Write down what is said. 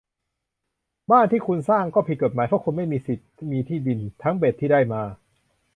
บ้านที่คุณสร้างก็ผิดกฎหมาย เพราะคุณไม่มีสิทธิ์มีที่ดิน ทั้งเบ็ดที่ได้มา